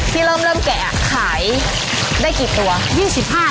ที่เริ่มแกะขายได้๘๐๐